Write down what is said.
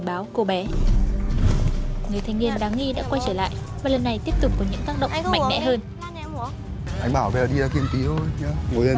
lúc nữa em mới đến